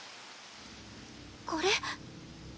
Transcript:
これ。